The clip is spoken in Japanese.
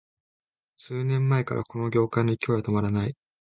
数年前からこの業界の勢いは止まらない